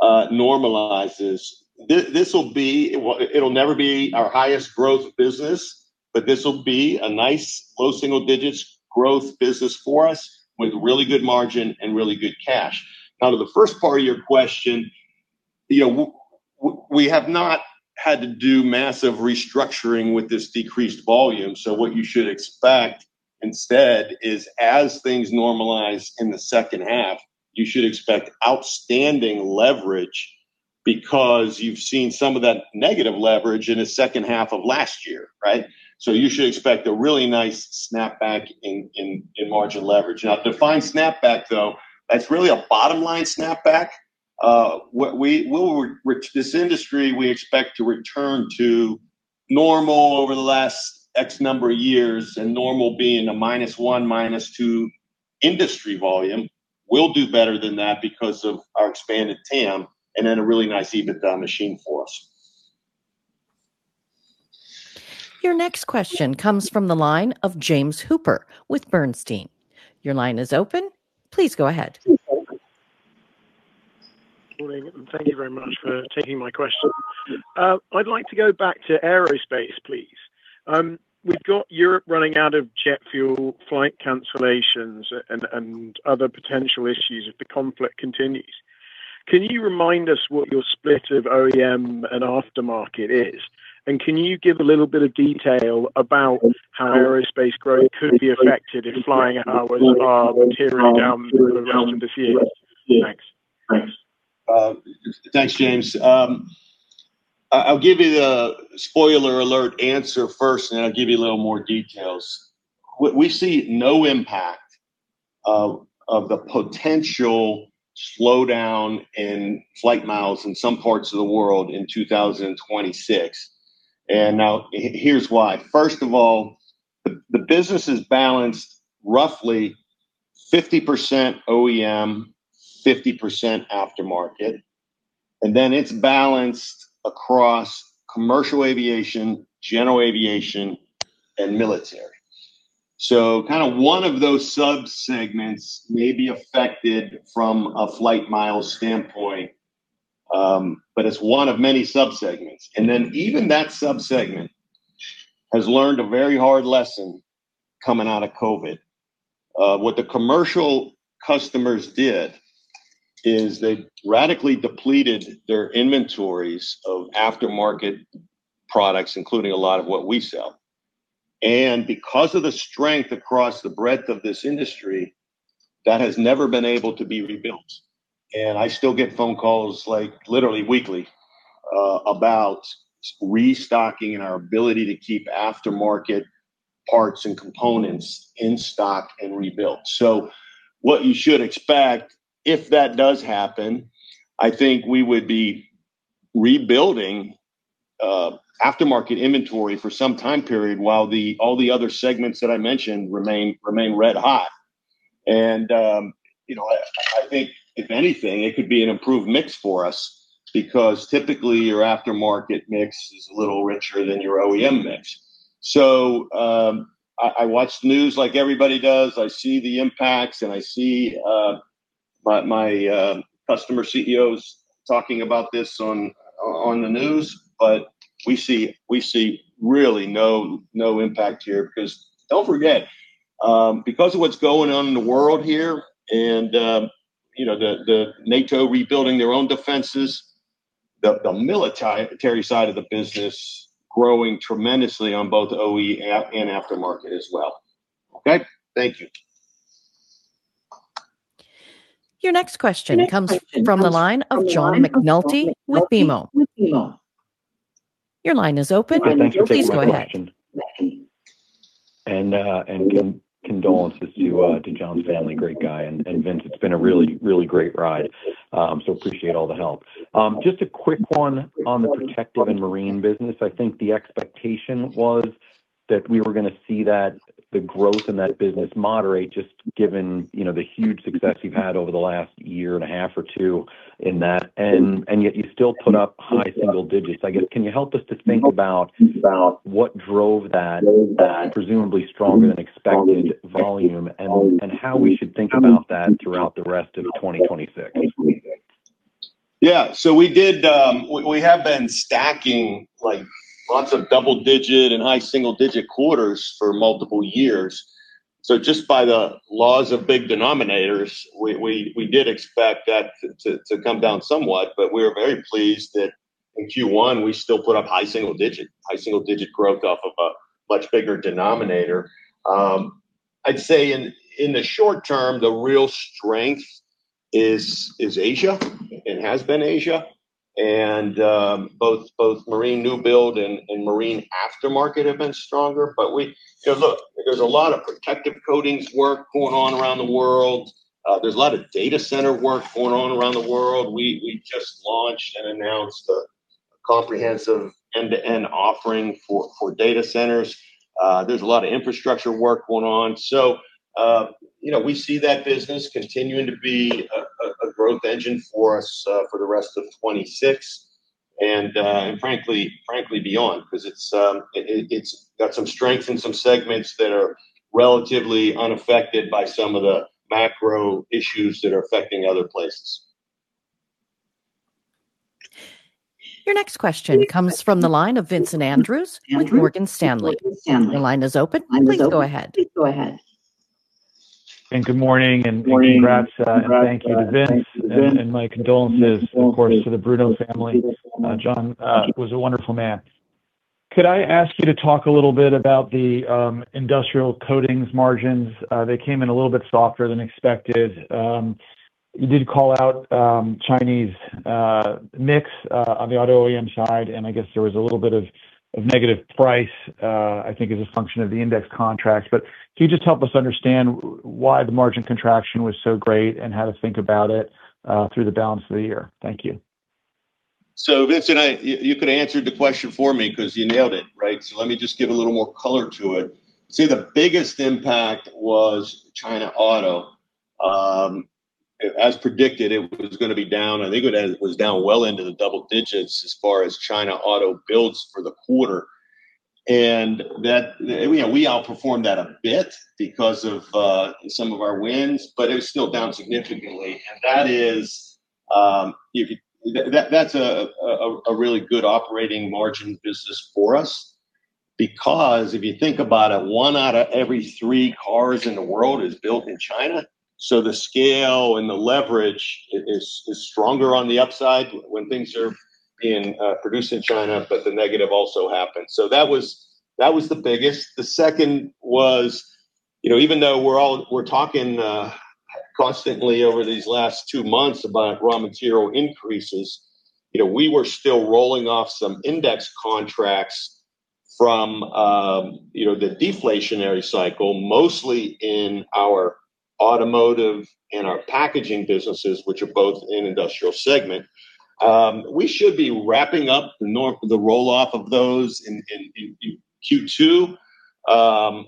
normalizes, this will be... Well, it'll never be our highest growth business, but this will be a nice low single digits growth business for us with really good margin and really good cash. To the first part of your question, you know, we have not had to do massive restructuring with this decreased volume. What you should expect instead is as things normalize in the second half, you should expect outstanding leverage because you've seen some of that negative leverage in the second half of last year, right? You should expect a really nice snapback in margin leverage. To define snapback though, that's really a bottom line snapback. This industry we expect to return to normal over the last X number of years, and normal being a -1, -2 industry volume. We'll do better than that because of our expanded TAM, and then a really nice EBITDA machine for us. Your next question comes from the line of James Hooper with Bernstein. Your line is open. Please go ahead. Morning. Thank you very much for taking my question. I'd like to go back to Aerospace, please. We've got Europe running out of jet fuel, flight cancellations and other potential issues if the conflict continues. Can you remind us what your split of OEM and aftermarket is? Can you give a little bit of detail about how Aerospace growth could be affected if flying hours are tearing down throughout this year? Thanks. Thanks, James. I'll give you the spoiler alert answer first, and then I'll give you a little more details. We see no impact of the potential slowdown in flight miles in some parts of the world in 2026. Now here's why. First of all, the business is balanced roughly 50% OEM, 50% aftermarket. Then it's balanced across commercial aviation, general aviation and military. Kind of one of those sub-segments may be affected from a flight mile standpoint, but it's one of many sub-segments. Then even that sub-segment has learned a very hard lesson coming out of COVID. What the commercial customers did is they radically depleted their inventories of aftermarket products, including a lot of what we sell. Because of the strength across the breadth of this industry, that has never been able to be rebuilt. I still get phone calls like literally weekly about restocking and our ability to keep aftermarket parts and components in stock and rebuilt. What you should expect if that does happen, I think we would be rebuilding aftermarket inventory for some time period while the, all the other segments that I mentioned remain red hot. You know, I think if anything, it could be an improved mix for us because typically your aftermarket mix is a little richer than your OEM mix. I watch the news like everybody does. I see the impacts, and I see my customer CEOs talking about this on the news. We see really no impact here because don't forget, because of what's going on in the world here and, you know, the NATO rebuilding their own defenses, the military side of the business growing tremendously on both OE and aftermarket as well. Okay. Thank you. Your next question comes from the line of John McNulty with BMO. Your line is open. Please go ahead. Condolences to John's family. Great guy. Vince, it's been a really great ride. Appreciate all the help. Just a quick one on the Protective and Marine business. I think the expectation was that we were going to see that the growth in that business moderate just given, you know, the huge success you've had over the last year and a half or two in that. Yet you still put up high single digits. I guess, can you help us to think about what drove that presumably stronger than expected volume and how we should think about that throughout the rest of 2026? We have been stacking like lots of double digit and high single digit quarters for multiple years. So just by the laws of big denominators, we did expect that to come down somewhat. We are very pleased that in Q1 we still put up high single digit growth off of a much bigger denominator. I'd say in the short term, the real strength is Asia, and has been Asia, and both marine new build and marine aftermarket have been stronger. You know, look, there's a lot of protective coatings work going on around the world. There's a lot of data center work going on around the world. We just launched and announced a comprehensive end-to-end offering for data centers. There's a lot of infrastructure work going on. You know, we see that business continuing to be a growth engine for us for the rest of 2026, and frankly beyond. Because it's got some strength in some segments that are relatively unaffected by some of the macro issues that are affecting other places. Your next question comes from the line of Vincent Andrews with Morgan Stanley. Your line is open. Please go ahead. Good morning, and congrats, and thank you to Vince, and my condolences of course to the Bruno family. John was a wonderful man. Could I ask you to talk a little bit about the Industrial Coatings margins? They came in a little bit softer than expected. You did call out Chinese mix on the Automotive OEM Coatings side, and I guess there was a little bit of negative price, I think as a function of the index contracts. Can you just help us understand why the margin contraction was so great, and how to think about it through the balance of the year? Thank you. Vincent, you could've answered the question for me, 'cause you nailed it, right? Let me just give a little more color to it. The biggest impact was China auto. As predicted, it was gonna be down, I think it ended, was down well into the double digits as far as China auto builds for the quarter. That, you know, we outperformed that a bit because of some of our wins, but it was still down significantly. That is, that's a really good operating margin business for us because if you think about it, one out of every three cars in the world is built in China. The scale and the leverage is stronger on the upside when things are being produced in China, but the negative also happens. That was the biggest. The second was, you know, even though we're all, we're talking, constantly over these last two months about raw material increases, you know, we were still rolling off some index contracts from, you know, the deflationary cycle, mostly in our Automotive and our Packaging businesses, which are both in Industrial segment. We should be wrapping up the roll-off of those in Q2.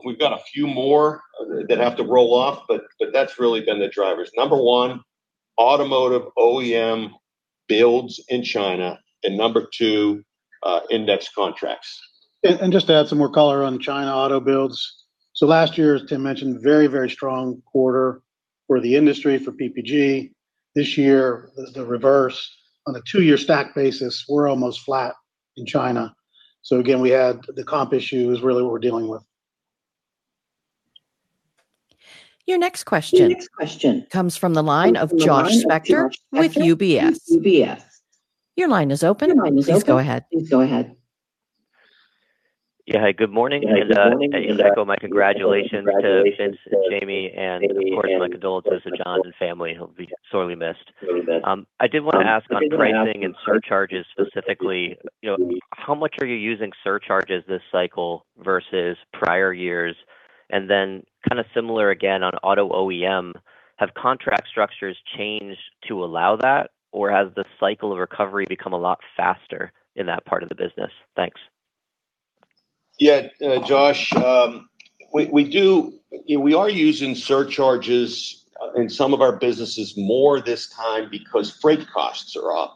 We've got a few more that have to roll off, but that's really been the drivers. Number one, Automotive OEM builds in China, and number two, index contracts. Just to add some more color on China auto builds. Last year, as Tim mentioned, very, very strong quarter for the industry, for PPG. This year was the reverse. On a two-year stack basis, we're almost flat in China. Again, we had the comp issue is really what we're dealing with. Your next question comes from the line of Josh Spector with UBS. Your line is open. Please go ahead. Yeah. Good morning. Echo my congratulations to Vince and Jamie, and of course my condolences to John's family. He'll be sorely missed. I did want to ask on pricing and surcharges specifically, you know, how much are you using surcharges this cycle versus prior years? Then kind of similar again on Auto OEM, have contract structures changed to allow that? Or has the cycle of recovery become a lot faster in that part of the business? Thanks. Josh, you know, we are using surcharges in some of our businesses more this time because freight costs are up,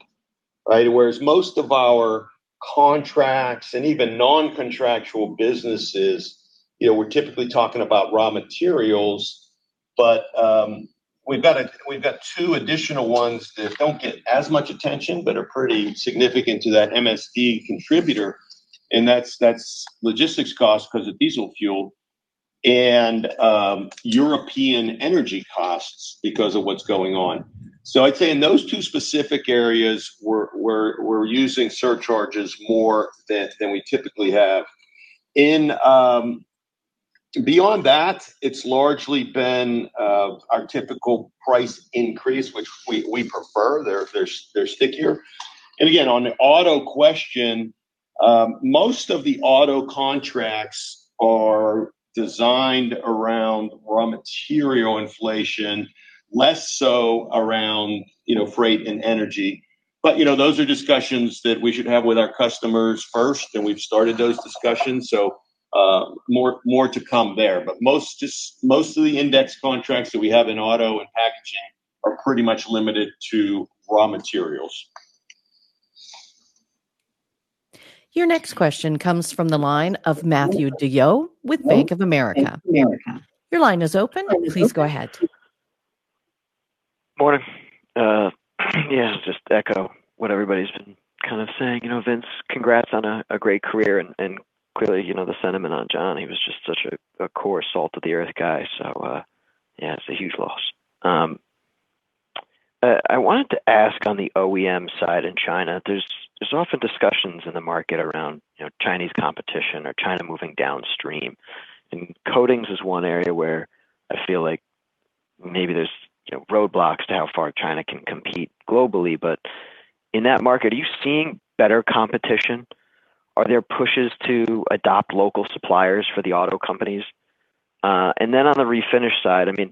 right? Whereas most of our contracts and even non-contractual businesses, you know, we're typically talking about raw materials, but we've got two additional ones that don't get as much attention, but are pretty significant to that MSD contributor, and that's logistics costs 'cause of diesel fuel and European energy costs because of what's going on. I'd say in those two specific areas we're using surcharges more than we typically have. Beyond that, it's largely been our typical price increase, which we prefer. They're stickier. Again, on the auto question, most of the auto contracts are designed around raw material inflation, less so around, you know, freight and energy. You know, those are discussions that we should have with our customers first, and we've started those discussions, so, more to come there. Most of the index contracts that we have in auto and packaging are pretty much limited to raw materials. Your next question comes from the line of Matthew DeYoe with Bank of America. Your line is open. Please go ahead. Morning. Yeah, just echo what everybody's been kind of saying. You know, Vince, congrats on a great career, and clearly, you know the sentiment on John. He was just such a core salt of the earth guy. Yeah, it's a huge loss. I wanted to ask on the OEM side in China, there's often discussions in the market around, you know, Chinese competition or China moving downstream. Coatings is one area where I feel like maybe there's, you know, roadblocks to how far China can compete globally. In that market, are you seeing better competition? Are there pushes to adopt local suppliers for the auto companies? On the Refinish side, I mean.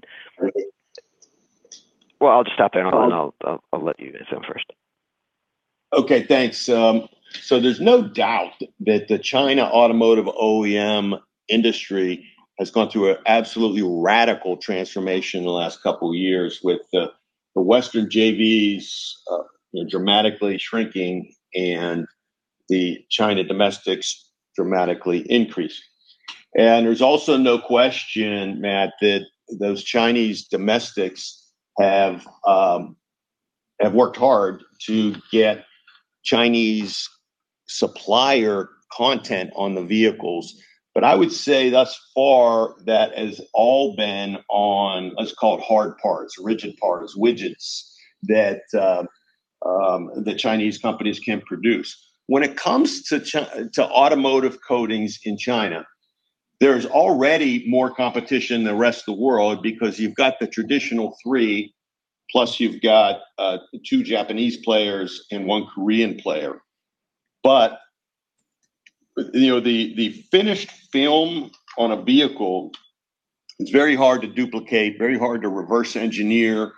Well, I'll just stop there. Oh. I'll let you go first. Okay. Thanks. There's no doubt that the China Automotive OEM industry has gone through an absolutely radical transformation in the last couple years with the western JVs, you know, dramatically shrinking and the China domestics dramatically increasing. There's also no question, Matt, that those Chinese domestics have worked hard to get Chinese supplier content on the vehicles. I would say thus far, that has all been on what's called hard parts, rigid parts, widgets that the Chinese companies can produce. When it comes to automotive coatings in China, there's already more competition than the rest of the world because you've got the traditional three, plus you've got two Japanese players and one Korean player. You know, the finished film on a vehicle is very hard to duplicate, very hard to reverse engineer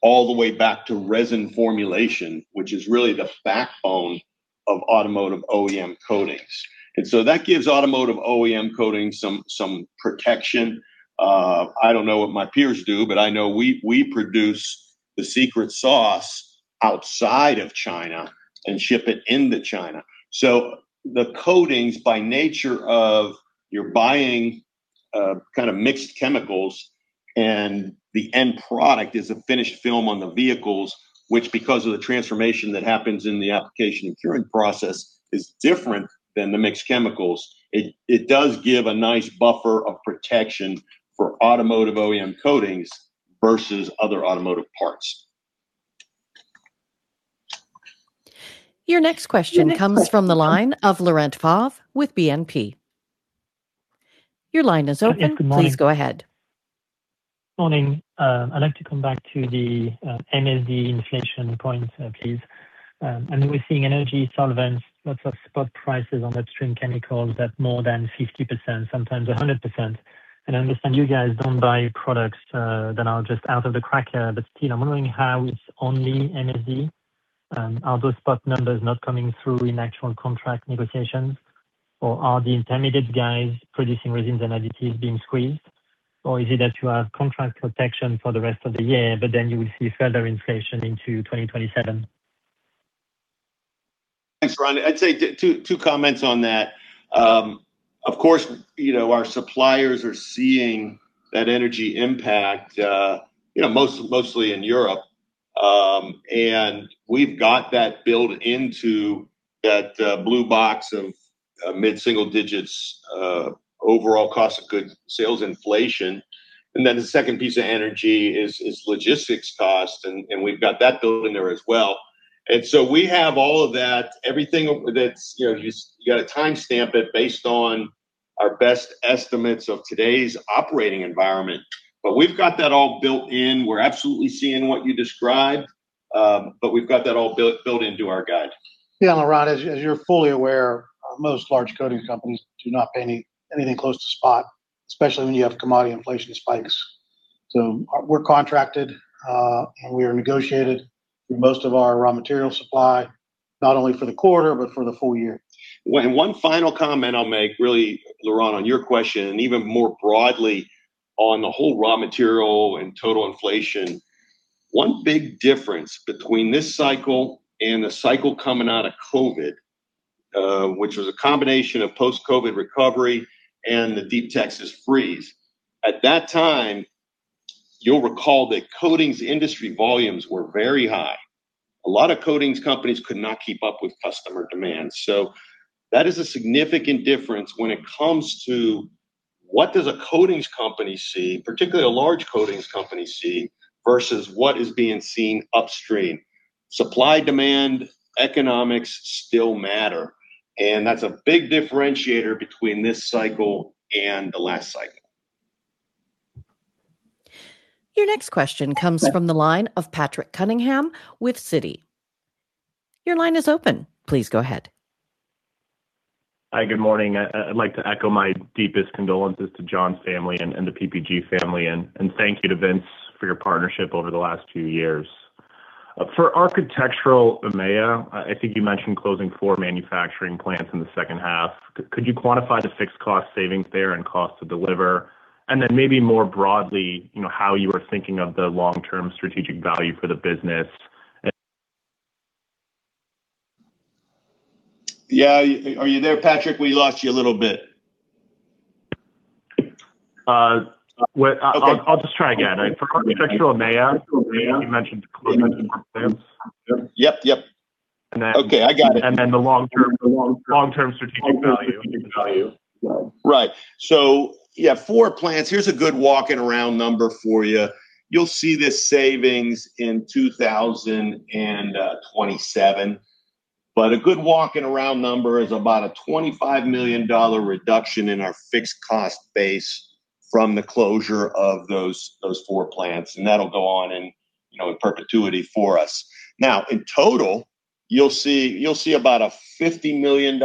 all the way back to resin formulation, which is really the backbone of Automotive OEM Coatings. That gives Automotive OEM Coatings some protection. I don't know what my peers do, but I know we produce the secret sauce outside of China and ship it into China. The coatings, by nature of you're buying kind of mixed chemicals, and the end product is a finished film on the vehicles, which, because of the transformation that happens in the application and curing process, is different than the mixed chemicals. It does give a nice buffer of protection for Automotive OEM Coatings versus other automotive parts. Your next question comes from the line of Laurent Favre with BNP. Your line is open. Yeah. Good morning. Please go ahead. Morning. I'd like to come back to the MSD inflation point, please. I mean, we're seeing energy solvents, lots of spot prices on upstream chemicals at more than 50%, sometimes 100%. I understand you guys don't buy products that are just out of the cracker. Still, I'm wondering how it's only MSD, are those spot numbers not coming through in actual contract negotiations? Are the intermediate guys producing resins and additives being squeezed? Is it that you have contract protection for the rest of the year, but then you will see further inflation into 2027? Thanks, Laurent. I'd say two comments on that. Of course, you know, our suppliers are seeing that energy impact, you know, mostly in Europe. We've got that built into that blue box of mid-single digits overall cost of goods sold inflation. Then the second piece of energy is logistics cost, and we've got that built in there as well. We have all of that. Everything that's, you know, you gotta timestamp it based on our best estimates of today's operating environment. We've got that all built into our guide. Yeah, Laurent, as you're fully aware, most large coating companies do not pay anything close to spot, especially when you have commodity inflation spikes. We're contracted, and we are negotiated through most of our raw material supply, not only for the quarter, but for the full year. One final comment I'll make, really, Laurent, on your question, even more broadly on the whole raw material and total inflation. One big difference between this cycle and the cycle coming out of COVID, which was a combination of post-COVID recovery and the deep Texas freeze. At that time, you'll recall that coatings industry volumes were very high. A lot of coatings companies could not keep up with customer demand. That is a significant difference when it comes to what does a coatings company see, particularly a large coatings company see, versus what is being seen upstream. Supply-demand economics still matter, that's a big differentiator between this cycle and the last cycle. Your next question comes from the line of Patrick Cunningham with Citi. Your line is open. Please go ahead. Hi. Good morning. I'd like to echo my deepest condolences to John's family and the PPG family, and thank you to Vince for your partnership over the last two years. For Architectural EMEA, I think you mentioned closing four manufacturing plants in the second half. Could you quantify the fixed cost savings there and cost to deliver? Then maybe more broadly, you know, how you are thinking of the long-term strategic value for the business-? Yeah. Are you there, Patrick? We lost you a little bit. Well, I'll just try again. For Architectural EMEA, you mentioned closing plants. Yep, yep. And then- Okay, I got it.... and then the long-term, long-term strategic value. Yeah, four plants. Here's a good walking around number for you. You'll see this savings in 2027. A good walking around number is about a $25 million reduction in our fixed cost base from the closure of those four plants, and that'll go on in, you know, in perpetuity for us. In total, you'll see about a $50 million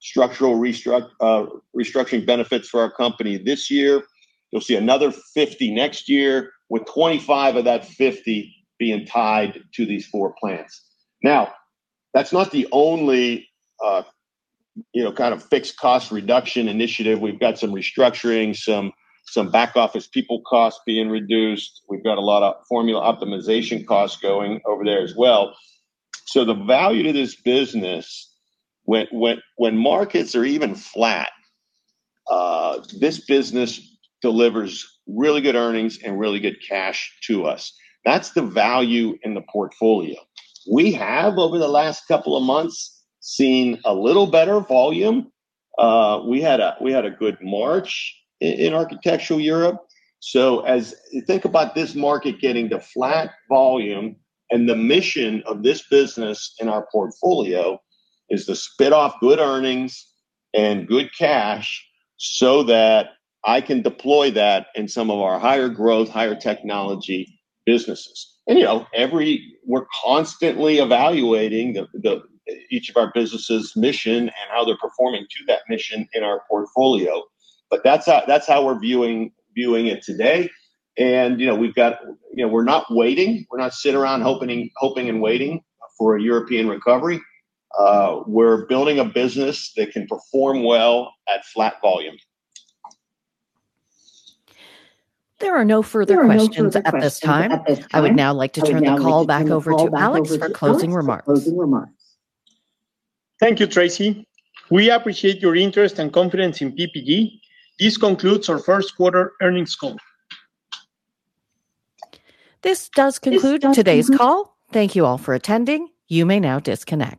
structural restructuring benefits for our company this year. You'll see another $50 million next year, with $25 million of that $50 million being tied to these four plants. That's not the only, you know, kind of fixed cost reduction initiative. We've got some restructuring, some back office people costs being reduced. We've got a lot of formula optimization costs going over there as well. The value to this business when markets are even flat, this business delivers really good earnings and really good cash to us. That's the value in the portfolio. We have, over the last couple of months, seen a little better volume. We had a good March in Architectural Europe. As you think about this market getting to flat volume, and the mission of this business in our portfolio is to spit off good earnings and good cash so that I can deploy that in some of our higher growth, higher technology businesses. You know, we're constantly evaluating each of our businesses' mission and how they're performing to that mission in our portfolio. That's how we're viewing it today. You know, we're not waiting. We're not sitting around hoping and waiting for a European recovery. We're building a business that can perform well at flat volume. There are no further questions at this time. I would now like to turn the call back over to Alex for closing remarks. Thank you, Tracy. We appreciate your interest and confidence in PPG. This concludes our first quarter earnings call. This does conclude today's call. Thank you all for attending. You may now disconnect.